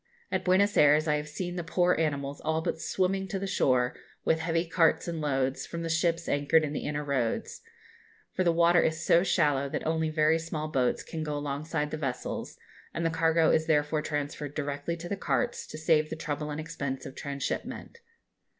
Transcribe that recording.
At Buenos Ayres I have seen the poor animals all but swimming to the shore, with heavy carts and loads, from the ships anchored in the inner roads; for the water is so shallow that only very small boats can go alongside the vessels, and the cargo is therefore transferred directly to the carts to save the trouble and expense of transshipment.